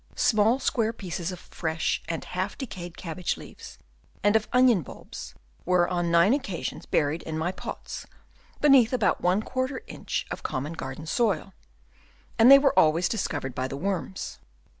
Small square pieces of fresh and half decayed cabbage leaves and of onion bulbs were on nine occasions buried in my pots, beneath about i of an inch of common garden soil ; and they were always discovered by the worms.